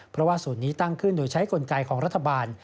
เพราะว่าศูนย์นี้ตั้งขึ้นโดยใช้กลไกของรัฐบาล